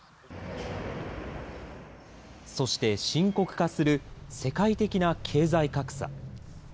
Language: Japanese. そして、深刻化する世界的な経済格差。